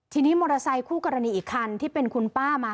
ทีนี้มอเตอร์ไซคู่กรณีอีกคันที่เป็นคุณป้ามา